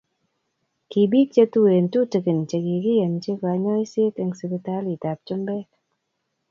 ki biik chetuen tutikin chekikiyonchi kanyoiset eng sipitalitab chumbek